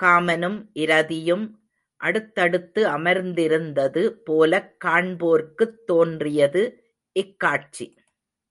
காமனும் இரதியும் அடுத்தடுத்து அமர்ந்திருந்தது போலக் காண்போர்க்குத் தோன்றியது, இக் காட்சி.